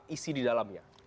isi di dalamnya